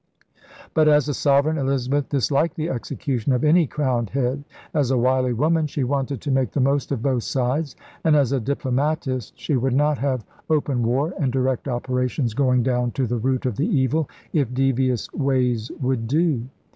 But, as a sovereign, Elizabeth disliked the execution of any crowned head; as a wily woman she wanted to make the most of both sides; and as a diplomatist she would not have open war and direct operations going down to the root of the evil if devious ways would do.